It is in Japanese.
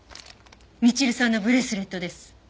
みちるさんのブレスレットです。